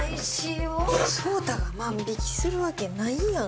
草太が万引きするわけないやん。